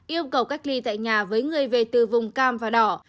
yêu cầu cách ly tại nhà với người về từ vùng cam và đỏ